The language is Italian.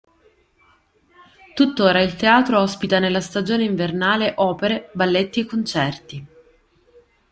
Tuttora il teatro ospita nella stagione invernale opere, balletti e concerti.